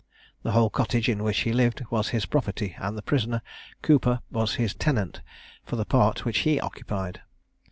The whole cottage in which he lived was his property, and the prisoner, Cooper, was his tenant for the part which he occupied.